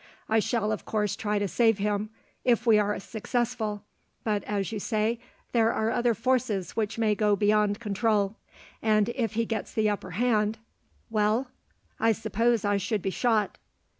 I shall of course try to save him, if we are successful; but, as you say, there are other forces which may be beyond control; and if he gets the upper hand " "Well?" "I suppose I should be shot."